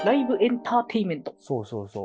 そうそうそう。